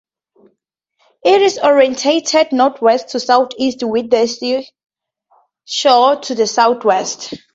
It is oriented northwest to southeast with the seashore to the southwest.